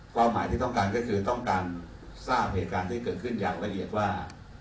ความหมายที่ต้องการก็คือต้องการทราบเหตุการณ์ที่เกิดขึ้นอย่างละเอียดว่า